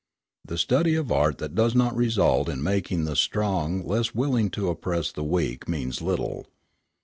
The study of art that does not result in making the strong less willing to oppress the weak means little.